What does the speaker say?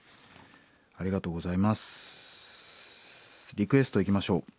リクエストいきましょう。